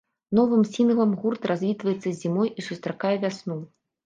Новым сінглам гурт развітваецца з зімой і сустракае вясну.